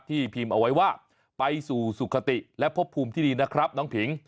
พิมพ์เอาไว้ว่าไปสู่สุขติและพบภูมิที่ดีนะครับน้องผิง